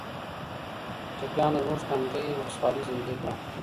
چپیانو زموږ تنکۍ ولسواکي زندۍ کړه.